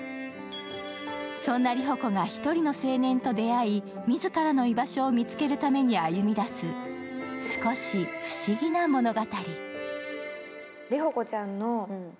そんな理帆子が一人の青年と出会い自らの居場所を見つけるために歩みだす少し・不思議な物語。